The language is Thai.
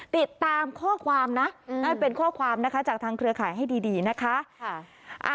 ติดตามข้อความนะนั่นเป็นข้อความนะคะจากทางเครือข่ายให้ดีนะคะ